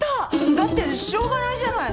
だってしょうがないじゃない。